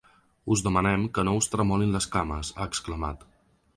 Us demanem que no us tremolin les cames!, ha exclamat.